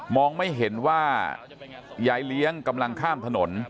องไม่เห็นว่ายายเลี้ยงกำลังข้ามถนน